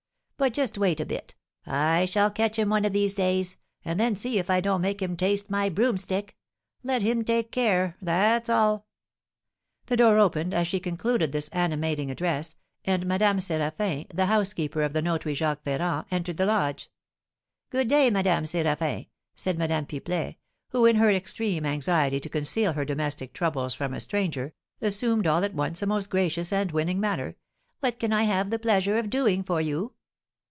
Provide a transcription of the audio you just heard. But just wait a bit: I shall catch him one of these days, and then see if I don't make him taste my broomstick! Let him take care, that's all!" The door opened as she concluded this animating address, and Madame Séraphin, the housekeeper of the notary, Jacques Ferrand, entered the lodge. "Good day, Madame Séraphin," said Madame Pipelet, who, in her extreme anxiety to conceal her domestic troubles from a stranger, assumed all at once a most gracious and winning manner; "what can I have the pleasure of doing for you?"